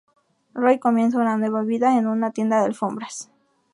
Roy comienza una nueva vida en una tienda de alfombras.